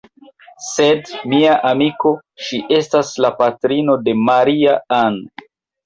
sed, mia amiko, ŝi estas la patrino de Maria-Ann!